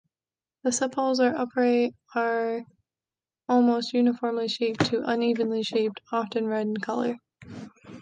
The sepals are upright, are almost uniformly shaped to unevenly shaped, often red in color.